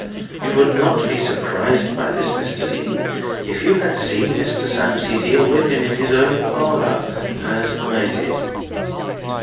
You would not be surprised by this, Mr. Dean, if you had seen Mr. Sapsea deal with him in his own parlour, as I did."